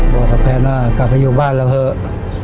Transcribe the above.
บอกทะแพนว่ากลับไปอยู่บ้านแล้วเถอะ